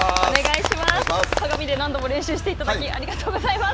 鏡で何度も練習していただき、ありがとうございます。